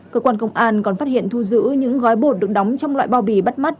cơ quan công an còn phát hiện thu giữ những gói bột được đóng trong loại bao bì bắt mắt